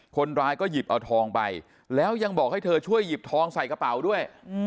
คนร้ายก็หยิบเอาทองไปแล้วยังบอกให้เธอช่วยหยิบทองใส่กระเป๋าด้วย